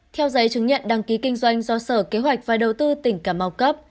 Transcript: theo giấy chứng nhận đăng ký kinh doanh do sở kế hoạch và đầu tư tỉnh cà mau cấp